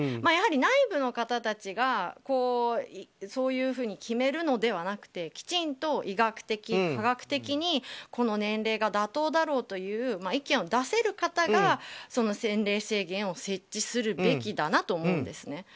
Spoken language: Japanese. やはり内部の方たちがそういうふうに決めるのではなくてきちんと医学的、科学的にこの年齢が妥当だろうという意見を出せる方が年齢制限を設置するべきだなと思うんですね。